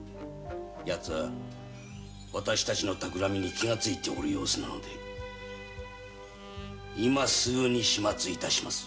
ヤツは私たちのたくらみに気がついている様子なので今すぐに始末致します。